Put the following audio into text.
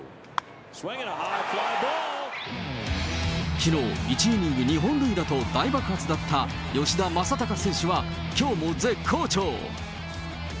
きのう、１イニング２本塁打と大爆発だった吉田正尚選手は、きょうも絶好調。